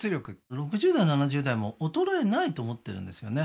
６０代７０代も衰えないと思ってるんですよね